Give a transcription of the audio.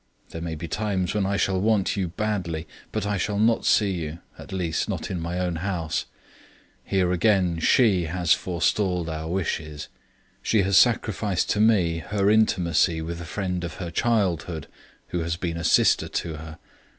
There may be times when I shall want you badly, but I shall not see you, at least not in my own house. Here again she has forestalled our wishes. She has sacrificed to me her intimacy with a friend of her childhood, who has been a sister to her.